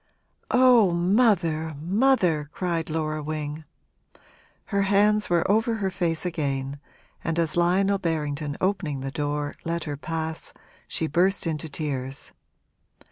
'Oh, mother, mother!' cried Laura Wing. Her hands were over her face again and as Lionel Berrington, opening the door, let her pass, she burst into tears.